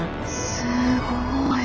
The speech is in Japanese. すごい。